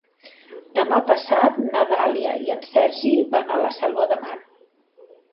Demà passat na Dàlia i en Sergi van a la Selva de Mar.